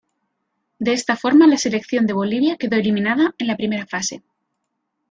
De esta forma la selección de Bolivia quedó eliminada en la primera fase.